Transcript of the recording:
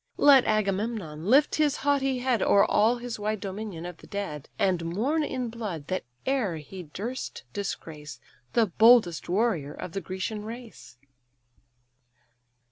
Let Agamemnon lift his haughty head O'er all his wide dominion of the dead, And mourn in blood that e'er he durst disgrace The boldest warrior of the Grecian race."